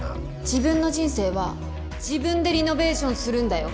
自分の人生は自分でリノベーションするんだよ。